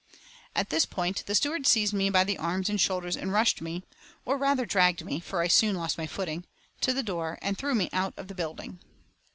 At this point the stewards seized me by the arms and shoulders and rushed me, or rather dragged me, for I soon lost my footing, to the door and threw me out of the building.